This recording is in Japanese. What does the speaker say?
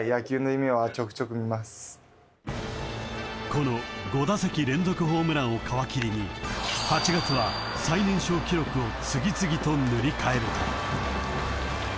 ［この５打席連続ホームランを皮切りに８月は最年少記録を次々と塗り替えると］